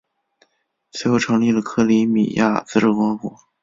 随后成立了克里米亚自治共和国。